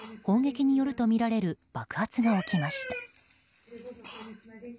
砲撃によるとみられる爆発が起きました。